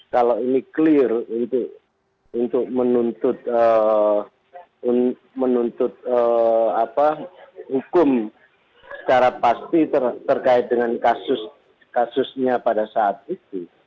kalau ini clear untuk menuntut hukum secara pasti terkait dengan kasusnya pada saat itu